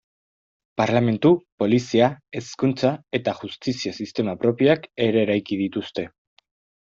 Parlementu, polizia, hezkuntza eta justizia sistema propioak ere eraiki dituzte.